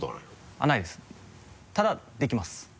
ただできます。